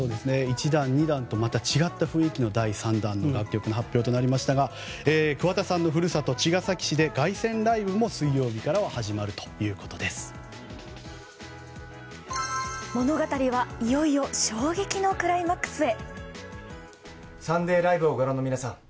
１弾２弾とまた違った雰囲気で第３弾の発表となりましたが桑田さんの故郷・茅ヶ崎市で凱旋ライブも、水曜日から物語はいよいよ衝撃のクライマックスへ。